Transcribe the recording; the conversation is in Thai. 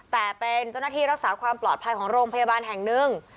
แต่เป็นเจ้าหน้าที่รักษาความปลอดภัยของโรงพยาบาลแห่งหนึ่ง